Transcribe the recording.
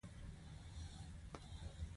ومې لیدل چې میتود او میکانیزم څنګه و.